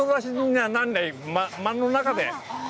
間の中で。